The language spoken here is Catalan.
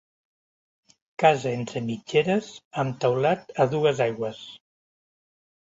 Casa entre mitgeres amb teulat a dues aigües.